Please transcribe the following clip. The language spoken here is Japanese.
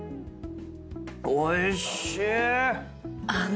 おいしい！